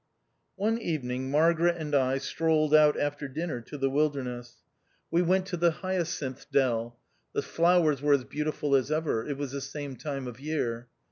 One evening, Margaret and I strolled out after dinner to the wilderness. We went to 122 THE OUTCAST. the hyacinth dell ; the flowers were as beau tiful as ever ; it was the same time of year.